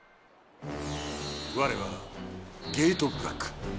われはゲートブラック！